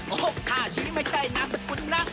โอ้โหท่าชี้ไม่ใช่นามสกุลนะ